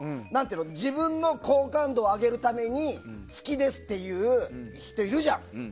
自分の好感度を上げるために好きですって言う人がいるじゃん。